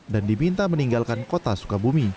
dan diminta meninggalkan kota sukabumi